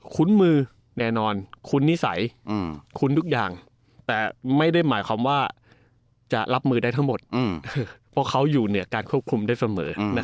มือแน่นอนคุ้นนิสัยคุ้นทุกอย่างแต่ไม่ได้หมายความว่าจะรับมือได้ทั้งหมดเพราะเขาอยู่ในการควบคุมได้เสมอ